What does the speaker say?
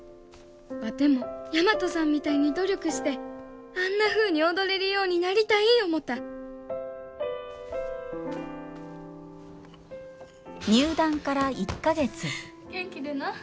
ワテも大和さんみたいに努力してあんなふうに踊れるようになりたい思うた入団から１か月元気でな。